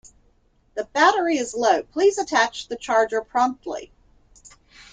The battery is low, please attach the charger promptly.